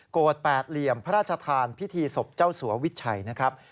แปดเหลี่ยมพระราชทานพิธีศพเจ้าสัววิชัยนะครับ